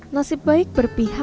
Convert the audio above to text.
nasib baik berpengalaman